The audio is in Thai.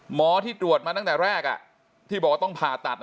หมอที่ตรวจมาตั้งแต่แรกที่บอกว่าต้องผ่าตัด